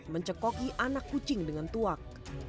mencekoki anak kucing dengan tuak